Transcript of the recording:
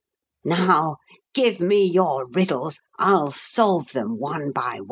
Now, give me your riddles I'll solve them one by one."